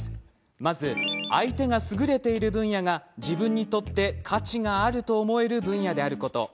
まず、相手が優れている分野が自分にとって価値があると思える分野であること。